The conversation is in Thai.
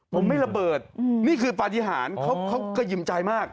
ผมไม่ระเบิดนี่คือปฏิหารเขาก็ยิ่มใจมาก